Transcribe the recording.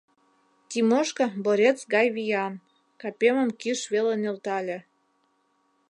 Тимошка борец гай виян, капемым кӱш веле нӧлтале.